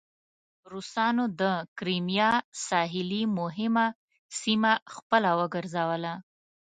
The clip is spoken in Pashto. روسانو د کریمیا ساحلي مهمه سیمه خپله وګرځوله.